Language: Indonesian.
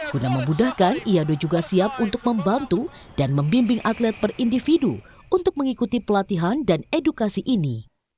guna memudahkan iado juga siap untuk membantu dan membimbing atlet per individu untuk mengikuti pelatihan dan edukasi ini